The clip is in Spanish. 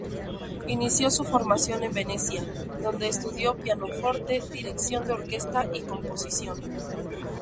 Inició su formación en Venecia, donde estudió pianoforte, dirección de orquesta y composición.